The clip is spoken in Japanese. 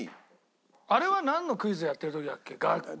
あれはなんのクイズやってる時だっけ？